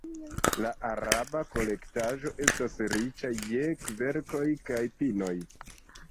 La arba kolektaĵo estas riĉa je kverkoj kaj pinoj.